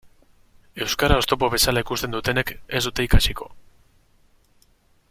Euskara oztopo bezala ikusten dutenek ez dute ikasiko.